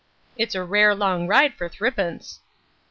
"It's a rare long ride for thrippence."